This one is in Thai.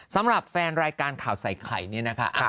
สำหรับแฟนรายการข่าวใส่ไข่เนี่ยนะคะ